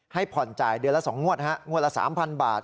ให้ผ่อนจ่ายเดือนละ๒งวดงวดละ๓๐๐บาท